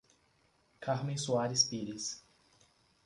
Carmem Soares Pires